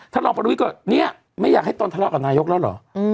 รองประวิทย์ก็เนี่ยไม่อยากให้ตนทะเลาะกับนายกแล้วเหรอ